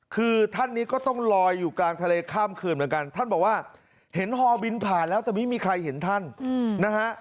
คือท่านนี้ก็ต้องลอยอยู่กลางทะเลข้ามคืนเหมือนกันท่านบอกว่าเห็นฮอบินผ่านแล้วแต่ไม่มีใครเห็นท่านนะฮะ